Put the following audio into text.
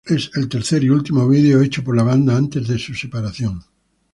Es el tercer y último video hecho por la banda antes de su separación.